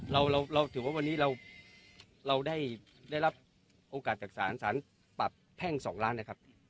เราเราเราถือว่าวันนี้เราเราได้ได้รับโอกาสจากสารสารปรับแพ่งสองล้านนะครับ